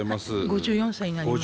５４歳になります。